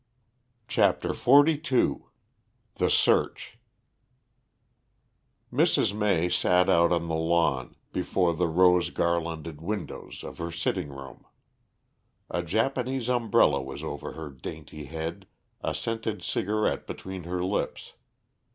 CHAPTER XLII THE SEARCH Mrs. May sat out on the lawn before the rose garlanded windows of her sitting room. A Japanese umbrella was over her dainty head, a scented cigarette between her lips.